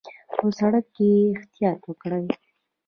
په سړک کې احتیاط وکړئ